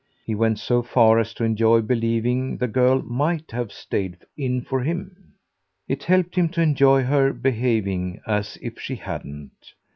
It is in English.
He went so far as to enjoy believing the girl MIGHT have stayed in for him; it helped him to enjoy her behaving as if she hadn't.